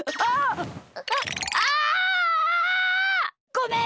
ごめん！